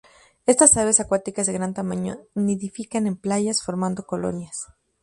Estas aves acuáticas de gran tamaño nidifican en playas, formando colonias.